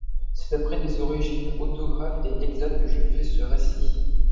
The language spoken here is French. C'est d'après des originaux autographes et exacts que je fais ce récit.